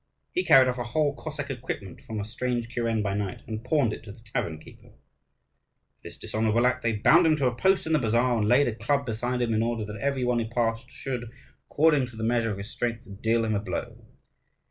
He carried off a whole Cossack equipment from a strange kuren by night and pawned it to the tavern keeper. For this dishonourable act they bound him to a post in the bazaar, and laid a club beside him, in order that every one who passed should, according to the measure of his strength, deal him a blow.